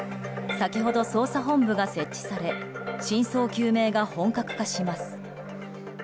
先ほど、捜査本部が設置され真相究明が本格化します。